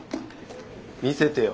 見せてよ。